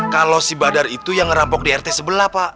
kalau si badar itu yang rampok di rt sebelah pak